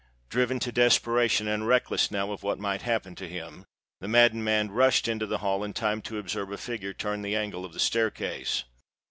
Driven to desperation, and reckless now of what might happen to him, the maddened man rushed into the hall, in time to observe a figure turn the angle of the staircase.